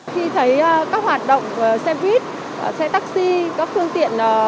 khi thấy các hoạt động xe buýt xe taxi